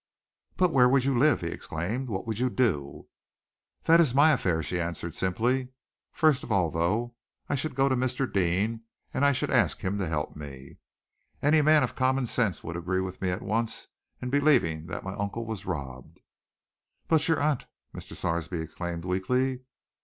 "But where would you live?" he exclaimed. "What would you do?" "That is my affair," she answered simply. "First of all, though, I should go to Mr. Deane, and I should ask him to help me. Any man of common sense would agree with me at once in believing that my uncle was robbed." "But your aunt?" Mr. Sarsby exclaimed weakly.